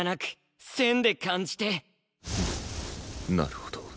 なるほど